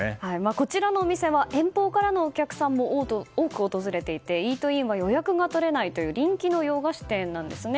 こちらのお店は遠方からのお客さんも多く訪れていてイートインは予約が取れないという人気の洋菓子店なんですね。